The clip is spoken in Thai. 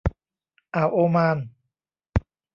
อ่าวโอมาน